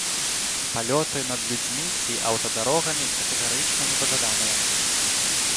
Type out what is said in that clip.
Палёты над людзьмі ці аўтадарогамі катэгарычна не пажаданыя.